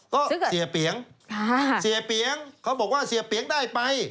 ก็เสียเปลี่ยงเขาบอกว่าเสียเปลี่ยงได้ไป